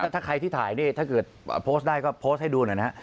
ถ้าใครที่ถ่ายนี่ถ้าเกิดโพสต์ได้ก็โพสต์ให้ดูหน่อยนะฮะ